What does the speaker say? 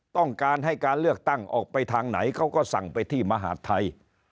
ต้องการให้การเลือกตั้งออกไปทางไหนเขาก็สั่งไปที่มหาดไทย